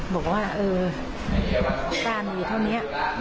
บอกว่าเออป้ามีอยู่เท่านี้